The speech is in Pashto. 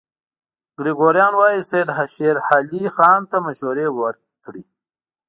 ګریګوریان وايي سید شېر علي خان ته مشورې ورکړې.